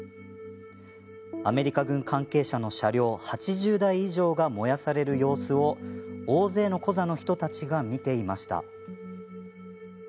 アメリカ軍関係者の車両８０台以上が燃やされる様子を大勢のコザの人たちが見ていました。